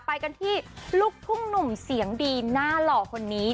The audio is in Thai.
ไปกันที่ลูกทุ่งหนุ่มเสียงดีหน้าหล่อคนนี้